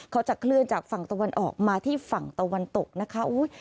เขาจะเคลื่อนจากฝั่งตะวันออกมาที่ฝั่งตะวันตกนะคะ